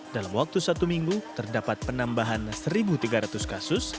dalam waktu satu minggu terdapat penambahan satu tiga ratus kasus